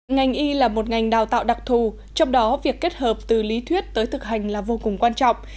ngành y là một ngành đào tạo đặc thù trong đó việc kết hợp từ lý thuyết tới thực hành là vô cùng quan trọng